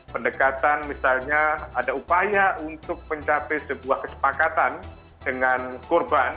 pendekatan misalnya ada upaya untuk mencapai sebuah kesepakatan dengan korban